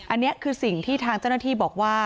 อันนี้คือสิ่งที่ทางเจ้าหน้าที่บอกว่า